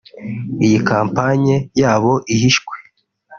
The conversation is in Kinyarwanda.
Iyi kampanye yabo ihishwe